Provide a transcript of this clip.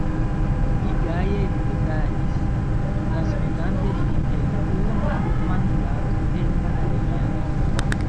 Li gaje ridetadis, transmetante ilin el unu manplato en la alian.